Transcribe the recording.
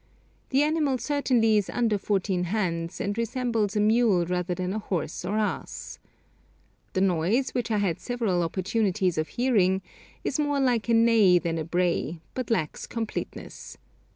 The animal certainly is under fourteen hands, and resembles a mule rather than a horse or ass. The noise, which I had several opportunities of hearing, is more like a neigh than a bray, but lacks completeness.